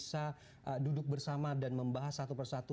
apa yang harusnya untuk bisa duduk bersama dan membahas satu persatu